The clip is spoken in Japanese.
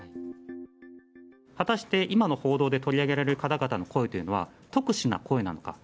果たして今の報道で取り上げられる方々の声というのは、特殊な声なのか。